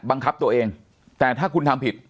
บังคับตัวเองแต่ถ้าคุณทำผิด